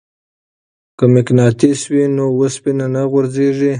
که مقناطیس وي نو وسپنه نه غورځیږي.